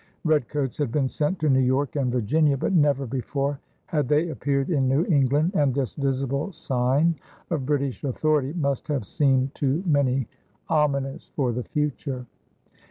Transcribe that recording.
Redcoats had been sent to New York and Virginia, but never before had they appeared in New England, and this visible sign of British authority must have seemed to many ominous for the future.